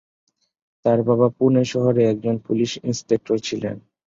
তার বাবা পুনে শহরে একজন পুলিশ ইন্সপেক্টর ছিলেন।